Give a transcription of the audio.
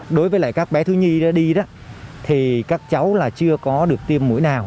đối với lại các bé thứ nhi đó đi đó thì các cháu là chưa có được tiêm mũi nào